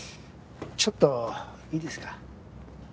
ちょっといいですか？